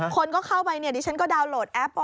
คนก็เข้าไปเนี่ยดิฉันก็ดาวนโหลดแอป